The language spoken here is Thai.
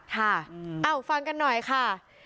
เอ้าฟังกันหน่อยค่ะ